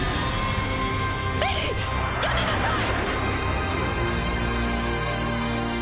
エリィやめなさい！